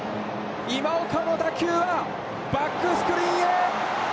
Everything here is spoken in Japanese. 今岡の打球はバックスクリーンへ！